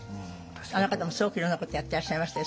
あの方もすごくいろんなことをやってらっしゃいましたよ